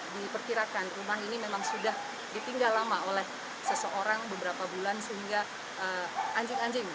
diperkirakan rumah ini memang sudah ditinggal lama oleh seseorang beberapa bulan sehingga anjing anjing